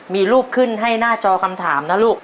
มีรูปขึ้นให้หน้าจอคำถามนะลูก